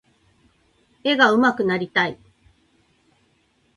絵が上手くなりたい。